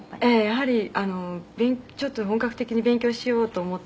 やはりちょっと本格的に勉強しようと思って」